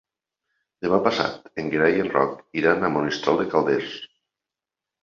Demà passat en Gerai i en Roc iran a Monistrol de Calders.